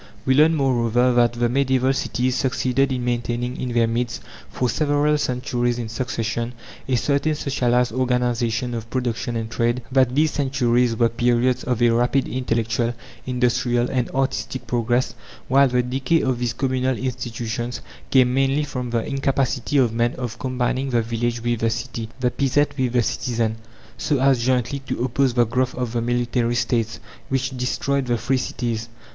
We learn, moreover, that the medieval cities succeeded in maintaining in their midst, for several centuries in succession, a certain socialized organization of production and trade; that these centuries were periods of a rapid intellectual, industrial, and artistic progress; while the decay of these communal institutions came mainly from the incapacity of men of combining the village with the city, the peasant with the citizen, so as jointly to oppose the growth of the military states, which destroyed the free cities.